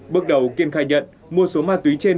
bước đầu kiên khai nhận mua số ma túy trên